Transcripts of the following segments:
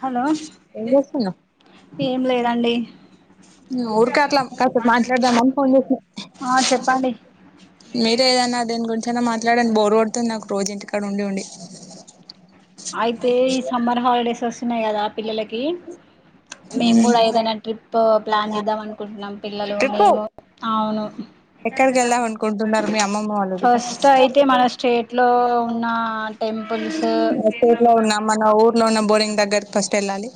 Hello ఏం లేదండి మ్మ్ ఊరికే అట్ల కాసేప్ మాట్లాడదామని ఫోన్ చేసిన మీరే ఏదన్నా దేని గురించి అయినా మాట్లాడండి బోరు కొడుతుంది నాకు రోజ్ ఇంటికాడ ఉండి ఉండి అయితే ఈ సమ్మర్ హాలిడేస్ వస్తున్నాయి కదా పిల్లలకి మేము కూడా ఏదైనా ట్రిప్పు ప్లాన్ చేద్దాం అనుకుంటున్నాం పిల్లలు మేము అవును ఫస్ట్ అయితే మన స్టేట్ లో ఉన్న అన్ టెంపుల్సు స్టేట్ లో ఉన్నా మన ఊర్ల్ లో ఉన్న బోరింగ్ దగ్గరకి ఫస్టు వెళ్ళాలి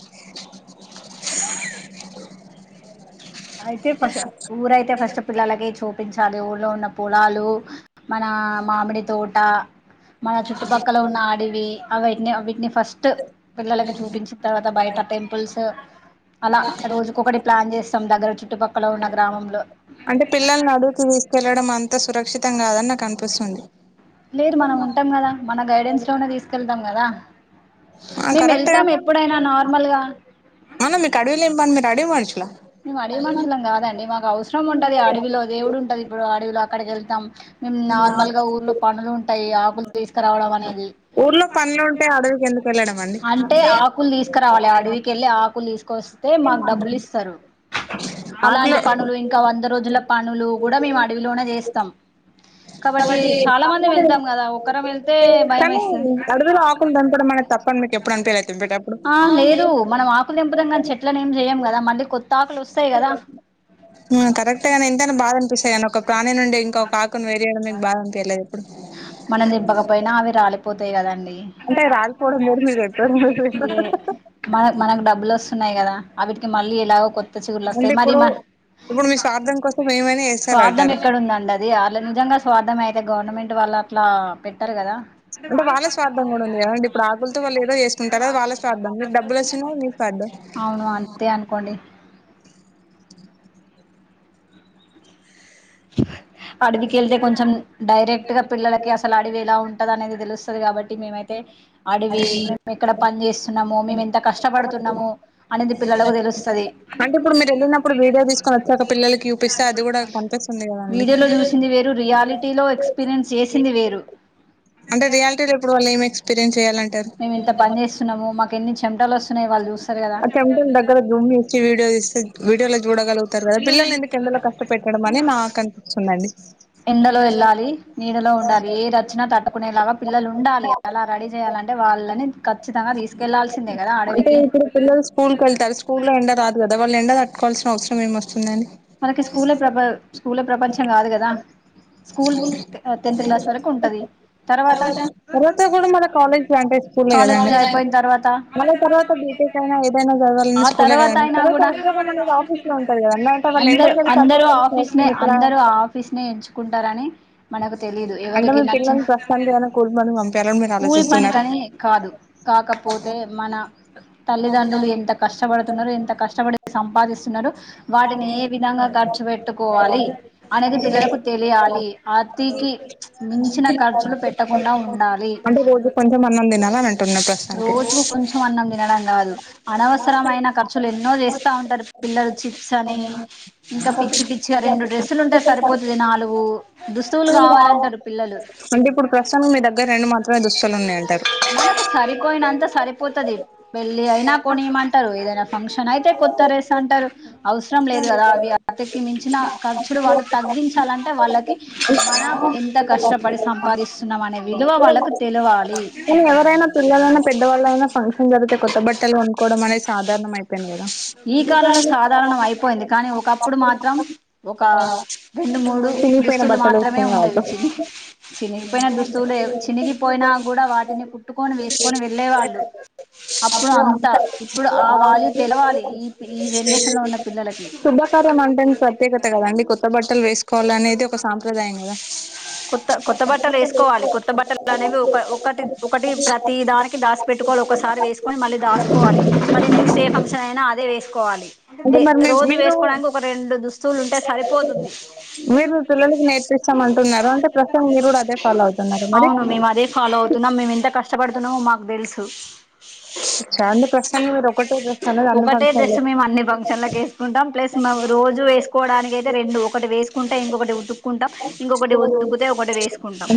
అయితే ఫస్ ఊరైతే ఫస్ట్ పిల్లలకి చూప్ పించాలి ఊళ్లో ఉన్న పొలాలు మన మామిడి తోట్ ఆ మన చుట్టుపక్కల ఉన్న అడివి అవిటిని వీటిని ఫస్ట్ పిల్లలకి చూపించిన తర్వాత బయట టెంపుల్స్ అలా రోజు కొకటి ప్లాన్ చేసి అంటే పిల్లల్ని అడుకి తీసుకెళ్లడం అంత సురక్షితం కాదని నాకు అన్ వినిపిస్తుంది లేదు మనం ఉంటాం కదా మన గైడెన్స్ లోనే తీసుకెళ్దాం కదా ఆ కరెక్టే ఆ మమ్మీ కడువిలి ఇమ్మని మా డాడీ [unintelligible] మేము అడవి మనుషులం కాదండి మాకు అవసరం ఉంటది అడవిలో దేవుడు ఉంటది ఇప్పుడు అడవిలో అక్కడికి ఎళ్తాం మ్మ్ మే నార్మల్ గా ఊర్లో పనులు ఉంటాయి ఆ కులు తీసుకురావడం అనేది అంటే ఆకులు తీసకరావాలి అడవికి వెళ్ళి ఆకులు తీసుకొస్తే మాకు డబ్బులు ఇస్తారు అలాంటి పనులు ఇంకా వంద రోజుల పనులు కూడా మేము అడవిలోనే చేస్తాం కాబట్టి చాలా మంది వెళ్తాం కదా ఒ ఒకరం ఎలై బయం ఎస్తుంది ఆ లేదు మనం ఆకులు తెంపడం కాదు చెట్లనేం చెయ్యం కదా మళ్ళీ కొత్ మ్మ్ కరెక్టేగాని ఎంతైనా బాధ అనిపిస్తాయినీ ఒక ప్రాణి నుండి ఇంకొక ఆకును వేరు చేయడం మీకు బాధ అనిపియ్యలేదా ప్పుడు మనం దెంపక పోయిన అవి రాలిపోతాయి కదండి మన మనకు డబ్బులు వస్తున్నాయి కదా అవిటికి మళ్ళీ ఎలాగో కొత్త చిగురులు వస్తాయి మరి మా స్వార్థం ఎక్కడ ఉందండి అది వాళ్ళ నిజంగా స్వార్థం అయితే గవర్నమెంట్ టె వాళ్ళు అట్లా పెట్టరు కదా అవును అంతే అనుకోండి అడవికెళ్తే కొంచెం డైరెక్ట్ గా పిల్లలకి అసలు అడవి ఎలా ఉంటది అనేది తెలుస్త త్తది కాబట్టి మేమైతే అడవి మేము ఎక్కడ పని చేస్తున్నాము మేము ఎంత కష్టపడుతున్నాము అనేది పిల్లలకు తెలుస్తది వీడియోలో చూసింది వేరు రియాలిటీలో ఎక్స్పీరియన్స్ చేసింది వేరు ఎక్స్పీరియన్స్ మేమింత పని చేసున్నాము మాకు కెన్ని చెమటలొస్ ఆ కెంపెని దగ్గర భూమి ఇచ్చే వీడియో తీస్ సిద్ వీడియోలో చూడగలుగుతారు కదా పిల్లల్ని ఎందుకు ఎండలో కష్టపెట్టడం అని నాకనిపిస్తుందండి ఎండలో వెళ్ళాలి నీడలో ఉండాలి ఏదచ్చినా తట్టుకునేలాగ పిల్లలు ఉండాలి అలా రెడీ చేయాలంటే వాళ్ళని అంటే ఇప్పుడు పిల్లలు స్కూల్ కెళ్తారు స్కూల్ లో ఎండ రాదు కదా వాళ్ళు ఎండ తట్టుకోవాల్సిన అవసరం టే మేమొస్తుందని మనకి స్కూలే ప్రపం స్కూలే ప్రపంచం గాదు గదా స్కూల్ టెన్త్ క్లాస్ వరకు ఉంటది తరవాత కాలేజ్ జాయి మళ్ళీ తర్వాత బీటెక్ అయినా ఏదైనా చదవాలి స్కూలే కదండి తర్వాత ఉద్యోగం అనేది ఆఫీస్ లో ఉంటాది కద [inaudible] అందరు అందరూ ఆఫీస్ నే అందరూ ఆఫీస్ నే ఎంచుకుంటారని మనకు తెలీదు ఎవరికి నచ్చిన కూలి పని కని కాదు కా కాకపోతె మన తల్లిదండ్రులు ఎంత కష్టపడుతున్నారు ఎంత కష్టపడి సంపాదిస్తున్నరు వాటిని ఈ విధంగా ఖర్చు పెట్టుకోవాలి అనేది పిల్లలకు తెలియాలి ఆతికి మించిన ఖర్చులు పెట్టకుండా ఉండాలి రోజుకు కొంచెం అన్నం తినడం గాదు అనవసరమైన ఖర్చులు ఎన్నో చేస్తా ఉంటారు పిల్లలు కని ఇంకా పిచ్చి పిచ్చిగా రెండు డ్రెస్సులు ఉంటే సరిపోతది నాలుగు దుస్తువులు కావాలంటారు పిల్లలు మనకు సరిపోయినంత సరిపోతది వెళ్ళి అయినా కొనియమంటారు ఫంక్షన్ అయితే కొత్త డ్రెస్ అంటారు ఇంక ఎవరైనా పిల్లలైనా పెద్దవాళ్ళయినా ఫంక్షన్ జరిగితే కొత్త బట్టలు కోనుక్కోవడం అనేది సాధారణమ అవుతుంది ఈ కాలంలో సాధారణం అయిపోయింది కానీ ఒకప్పుడు మాత్రం ఒక రెండు మూడు దిస్తులు మాత్రమే ఉండేవి చి చినిగిపోయిన దుస్తులు చినిగిపోయినా కూడా వాటిని కుట్టుకొని వేసుకొని వెళ్ళే వాళ్ళు అప్పుడు అంతా ఇప్పుడు ఆ వాల్యు తెలవాలి శుభకార్యం అంటేంది ప్రత్యేకత కదండి కొత్త బట్టలు వేసుకోవాల అనేది ఒక సాంప్రదాయం కదా ఇదే వేసుకోవాలి రోజు వేసుకోడానికి ఒక రెండు దుస్తులు ఉంటే సరిపోతుంది అవును మేమ్ అదే ఫాలో అవుతు ఉచ్చపడుతున్నావు మాకు తెలుసు ఒకటే డ్రెస్ మేము అన్ని ఫంక్షన్లకు వేసుకుంటాం ప్లెస్ రోజు వేసుకోవడానికి అయితే రెండు ఒకటి వేసుకుంటే ఇంకొకటి ఉతుక్కుంటాం ఇంకొకటి ఉతుకుతే ఒకటి వేసుకుంటాం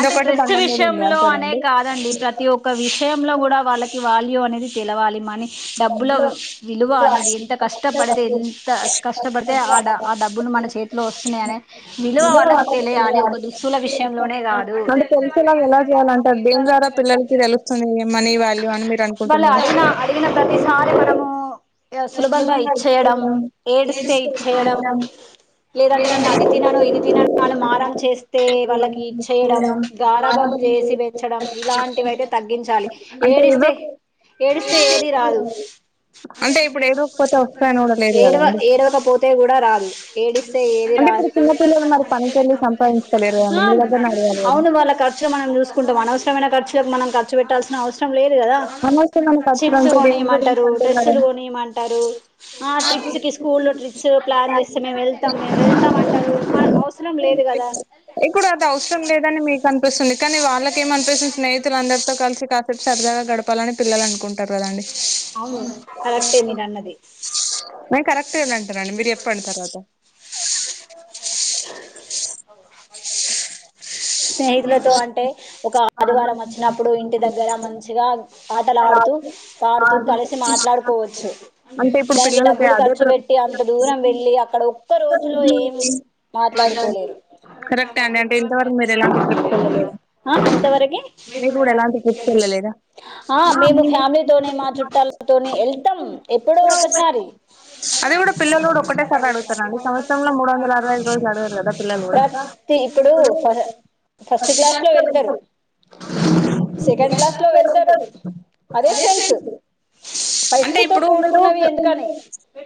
అంటే డ్రెస్సు విషయంలో ఓ అనే కాదండి ప్రతి ఒక్క విషయంలో కూడా వాళ్ళకి వాల్యూ అనేది పిలవాలి మని డబ్బుల విలువ అనేది ఎంత కష్టపడితే ఎంత కష్టపడితే ఆ ఆ డబ్బులు మన చేతిలో వస్తున్నాయి అనే విలువ వాళ్ళకు తెలియాలి ఒక దుస్తుల విషయంలోనే కాదు బట్ ఉదారు ఇలా ప్రతిసారి మనము సులభంగా ఇచ్చేయడం ఏడిస్తే ఇచ్చేయడం లేదంటే నేను అది తినను ఇది తినను అని మారం చేస్తే వాళ్ళకి ఇచ్చేయడం గారభం చేసి పెంచడం ఇలాంటివి అయితే తగ్గించాలి ఏడిస్తే చ్ ఏది రాదు ఏడవకపోతే కూడా రాదు ఏడిస్తే ఏవి రా ఆ అవునువాళ్ళ ఖర్చులు మన చూసుకుంటాం అనవసరమ ఖర్చు మ ఖర్చు పెట్టాల్సిన అవసరం లే నమస్తే మామ్ ఖర్చుంటే డెంగ్యూ గురించి అంటున్న ఇప్పుడు అది అవసరం లేదని మీకు అనిపిస్తుంది కానీ వాళ్ళకేమో అనిపిస్తుంది స్నేహితులుందరితో కలిసి కాస్తపు సర్దాగ గడప చెప్పాలని పిల్లలు అన్కుంటారు కదండి అవును నేను కరెక్ట్ ఏ అంటారండి మీరు చెప్పండి తర్వాత ష్ స్నేహితులతో అంటే ఒక ఆదివారం వచ్చినప్పుడు ఇంటి దగ్గర మంచిగా ఆటలు ఆడుతూ ఆడుతూ కలిసి మాట్లాడుకోవచ్చు దాన్కి డబ్బులు ఖర్చు పెట్టి అంత దూరం వెళ్ళి అక్కడ ఒక్క రోజులో ఏం అ కరెక్ట్ కరెక్టే అండి అంటే ఇంతవరకు మీరు ఎలాంటి ట్రిప్కి వెళ్ళ లేదా మీరు కూడా ఎలాంటి ట్రిప్క్ వెళ్ళలేదా ఆ మేము ఫ్యామిలీతోనే మా చుట్టాలతోనే ఎళ్తాం ఎప్పుడో ఒకసారి [inaudible] అడగరు కదా పిల్లలు కూడా అంటే ఇప్పుడు మీరు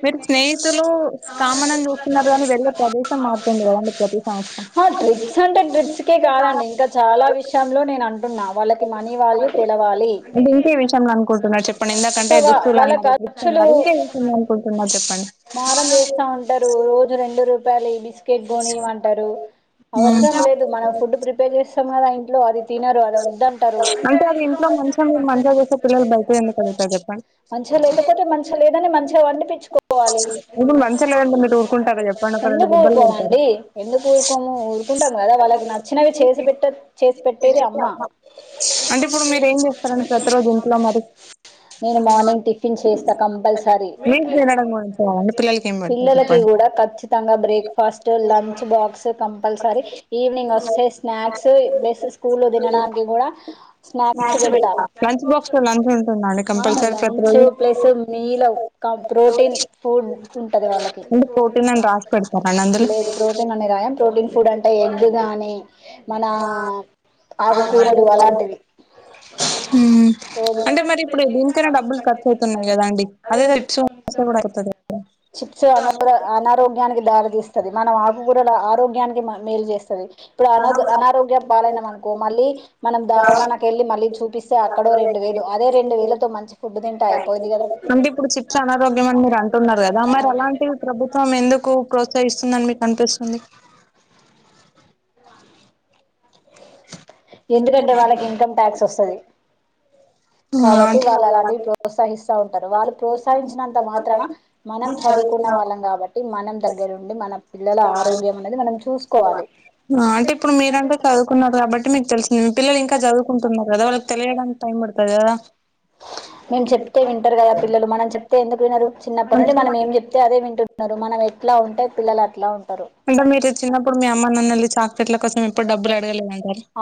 మీరు స్నేహితులు కామన్ అని చూస్తున్నారు కాని వెళ్ళే ప్రదేశం మా హా ట్రిప్స్ అంటే డ్రిప్స్ కే కాదండి ఇంకా చాలా విషయంలో నేను అంటున్నా వాళ్ళకి మనీ వాల్యూ తెల వాలి త వా వాళ్ళ ఖర్చులు మారం చేస్తా ఉంటారు రోజూ రెండు రూపాయలీ బిస్ కోనిమంటారు అవసరం లేదు మనం ఫుడ్ ప్రిపేర్ చేస్తాం కదా ఇంట్లో అది తినరు అది వద్దంటారు ఇంట్లో కొంచెం మంచిగా చేస్తే పిల్లలు బయట ఎందుకడుగుతారు చెప్పండి ఇడు మంచి లేవ మీరు ఊరుకుంటారా చెప్పండి ఒక రెండు దెబ్బలు అది ఎందుకు ఊరుకోము ఊరుకుంటాము కదా వాళ్ళకి నచ్చినవి చేసి పెట్ట చేసి పెట్టేది అమ్మ నేను మార్నింగ్ టిఫిన్ చేస్తా కంపల్సరీ పిల్లలకి కూడా ఖచ్చితంగా breakfast lunch box compulsory evening వస్తే స్నాక్స్ ప్లస్ స్కూల్లో తినడానికి కూడా స్నాక్ బాక్స్ పెడతా అ లంచ్ ప్లస్ మే లవ్ ప్రోటీన్ ఫుడ్ ఉంటది వాళ్ళకి లేదు ప్రోటీన్ అని గాయం ప్రోటీన్ ఫుడ్ అంటే ఎగ్గు కాని మన ఆకు కూరలు అలాంటివి రోజు చిప్స్ అన అనారోగ్యానికి దారి తీస్త తది మనం ఆకుకూరల ఆరోగ్యానికి మన్ మేల్ చేస్ ఉంటది ఇప్పుడు అనో అనారోగ్యం పాలైనం అనుకో మళ్ళీ మనం దావకానక వెళ్ళి మళ్ళీ చూపిస్తే అక్కడో రెండు వేలు అదే రెండు వేలతో మంచి ఫుడ్ తిన్ అంటే ఇప్పుడు చిప్స్ అనారోగ్యం అని మీరు అంటున్నారు కదా మరి అలాంటి ప్రభుత్వం ఎందుకు ప్రోస్చఇస్ తుందని మీకు అనిపిస్తుంది ఎందుకంటే వాళ్ళకి ఇన్కమ్ ట్యాక్స్ వస్తది కాబట్టి వాళ్ళు అలాంటివి ప్రోత్సహిస్తా ఉంటారు వాళ్ళు ప్రోత్సహించినంత మాత్రన మనం చదువుకున్న వాళ్ళం కాబట్టి మనం దగ్గరుండి మనం పిల్లల ఆరోగ్యం అనేది మనం చూసుకోవాలి కున్నారు కాబట్టి మీకు తెలిసింది పిల్లలు ఇంకా చదువుకుంటున్నారు కదా వాళ్ళకి తెలియడానికి టైం పడతది కదా వినరు చిన్నప్పటి నుండి మనం ఏం చెప్తే అదే వింటు టున్నారు మనం ఎట్లా ఉంటే పిల్లలు అట్లా ఉంటారు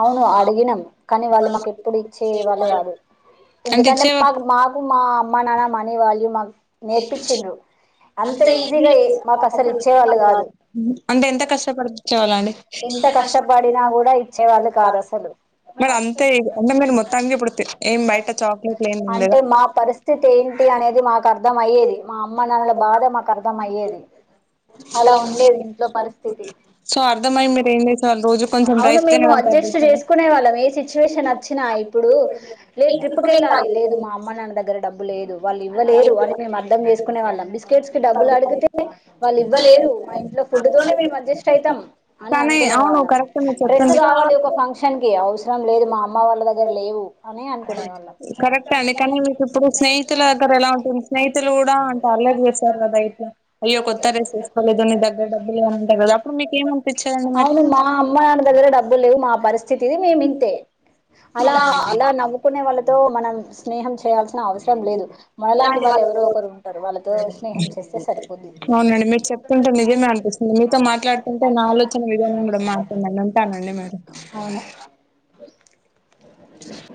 అవును అడిగినాం కానీ వాళ్ళు మాకు ఎప్పుడు ఇచ్చేది వాళ్ళు కాదు ఎందుకంటే మాకు మాకు మా అమ్మ మ్మ నాన్న మ నే వాళ్ళు మాకు నేర్పించిండ్రు అంత ఈజీగా ఎ మాకసలు ఇచ్చేవాళ్ళు కాదు ఎంత కష్టపడి ఉన్నా కూడా ఇచ్చేవాళ్ళు కాదు అసలు అంటే మా పరిస్థితి ఏం అనేది మాకు అర్థం అయ్యేది. మా అమ్మ నాన్నల బాధ మాకు అర్థం అయ్యేది, అలా ఉండేది ఇంట్లో పరిస్థితి. అవును మేము అడ్జస్ట్ చేసుకునే వాళ్ళం ఏ సిచ్యువేషన్ అచ్చినా. ఇప్పుడు నేను ట్రిప్కి వెళ్ళాలి లేదు మా అమ్మ నాన్న దగ్గర డబ్బు లేదు. వాళ్ళు ఇవ్వలేరు అని మేము అర్థం చేసుకునే వాళ్ళం. బిస్కెట్స్ కి డబ్బులు అడిగితే వాళ్ళు ఇవ్వలేరు. మా ఇంట్లో ఫుడ్ తోనే మేము అడ్జస్ట్ అయితాం అని అనుకునే వాళ్ళం. డ్రెస్ కావాలి ఒక ఫంక్షన్ కి అవసరం లేదు, మా అమ్మ వాళ్ళ దగ్గర లేవు అని అనుకునే వాళ్ళం. అక్కడ ఎలా ఉంటుంది స్నేహితులు కూడా అంటే అల్లరి చేస్తరు కదా ఇట్లా అయ్యో కొత్త రెస్ వెసుకోలేదు, నీ దగ్గర డబ్బులు లేవు అంటరు కదా అప్పుడు మీకు ఏమి అనిపించెదండి మరి. నాన్న గారి దగ్గర డబ్బులు లేవు మా పరి స్థితిది మేమింతే. అలా అలా నవ్వుకునే వాళ్ళతో మనం స్నేహం చేయాల్సిన అవసరం లేదు. మనలాంటి వాళ్ళు ఎవరో ఒకరు ఉంటరు వాళ్ళతో స్నేహం చేస్తే సరిపోద్ది. నేనుంటానండి మరి. బస్ ఇది